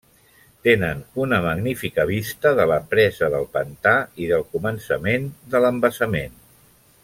Tenen una magnífica vista de la presa del pantà i del començament de l'embassament.